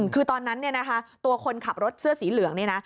คือตอนนั้นตัวคนขับรถเสื้อสีเหลืองนี่นะ